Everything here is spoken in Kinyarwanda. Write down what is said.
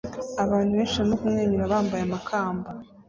Abantu benshi barimo kumwenyura bambaye amakamba